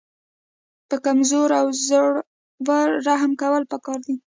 په کمزورو او زړو رحم کول پکار دي.